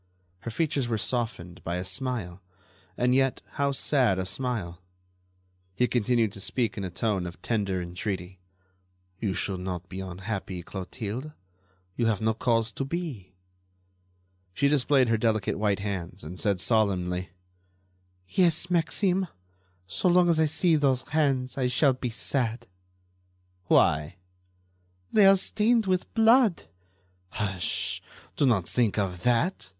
Her features were softened by a smile, and yet how sad a smile! He continued to speak in a tone of tender entreaty: "You should not be unhappy, Clotilde; you have no cause to be." She displayed her delicate white hands and said, solemnly: "Yes, Maxime; so long as I see those hands I shall be sad." "Why?" "They are stained with blood." "Hush! Do not think of that!"